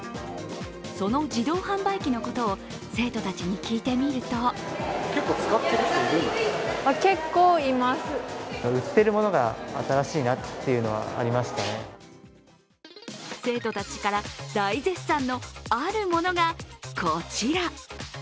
その自動販売機のことを、生徒たちに聞いてみると生徒たちから大絶賛のあるものがこちら。